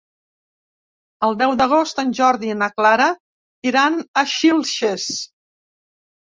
El deu d'agost en Jordi i na Clara iran a Xilxes.